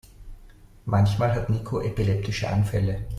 Manchmal hat Niko epileptische Anfälle.